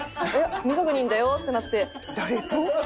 「未確認だよ」ってなって。